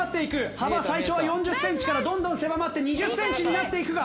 幅最初は４０センチからどんどん狭まって２０センチになっていくが。